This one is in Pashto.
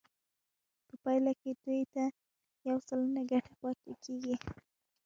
په پایله کې دوی ته یو سلنه ګټه پاتې کېږي